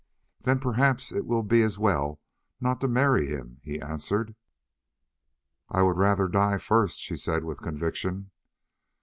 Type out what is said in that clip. "Then perhaps it will be as well not to marry him," he answered. "I would rather die first," she said with conviction.